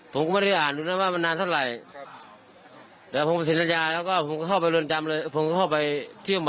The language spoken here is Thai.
ผมก็ไม่ได้อ่านดูนะว่ามันนานเท่าไหร่